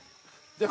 じゃあ